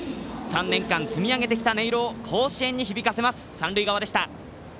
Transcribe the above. ３年間、積み重ねてきた音色を甲子園に響かせます三塁側でした。